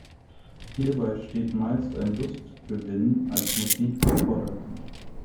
Hierbei steht meist ein Lustgewinn als Motiv im Vordergrund.